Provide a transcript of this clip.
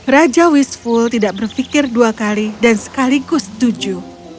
raja wisful tidak berpikir dua kali dan sekaligus tujuh